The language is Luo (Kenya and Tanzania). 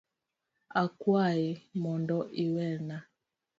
Akwayi mondo iwena.